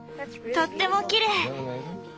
とってもきれい。